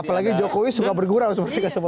apalagi jokowi suka bergurau seperti ketemu tadi